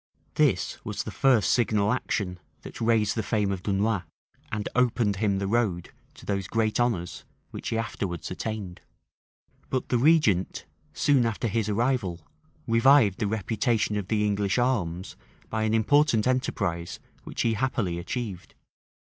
[*] This was the first signal action that raised the fame of Dunois, and opened him the road to those great honors which he afterwards attained. But the regent, soon after his arrival, revived the reputation of the English arms by an important enterprise which he happily achieved.